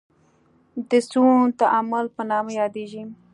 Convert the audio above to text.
د سون تعامل په نامه یادیږي.